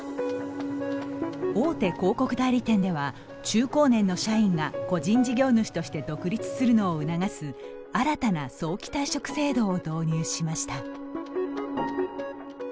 大手広告代理店では中高年の社員が個人事業主として独立するのを促す新たな早期退職制度を導入しました。